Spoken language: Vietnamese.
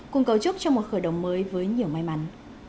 cùng cầu chúc cho một khởi động mới với nhiều may mắn